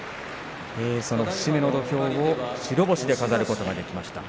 節目の土俵を白星で飾ることができました。